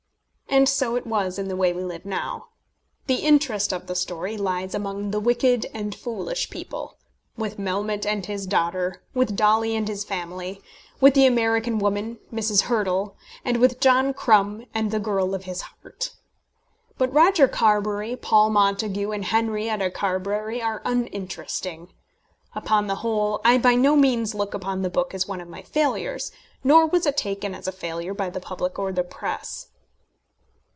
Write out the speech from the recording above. And so it was in The Way We Live Now. The interest of the story lies among the wicked and foolish people, with Melmotte and his daughter, with Dolly and his family, with the American woman, Mrs. Hurtle, and with John Crumb and the girl of his heart. But Roger Carbury, Paul Montague, and Henrietta Carbury are uninteresting. Upon the whole, I by no means look upon the book as one of my failures; nor was it taken as a failure by the public or the press.